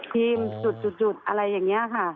ทีมจุดอะไรอย่างนี้ค่ะ